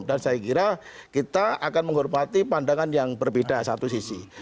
dan saya kira kita akan menghormati pandangan yang berbeda satu sisi